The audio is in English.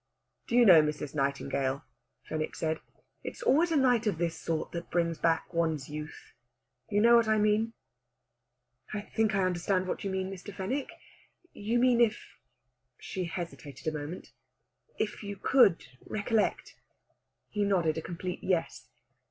"Do you know, Mrs. Nightingale," Fenwick said, "it's always a night of this sort that brings back one's youth? You know what I mean?" "I think I understand what you mean, Mr. Fenwick. You mean if" she hesitated a moment "if you could recollect." He nodded a complete yes.